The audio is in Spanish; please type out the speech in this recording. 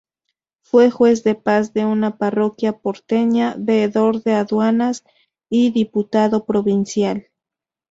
Fue juez de paz de una parroquia porteña, veedor de aduanas y diputado provincial.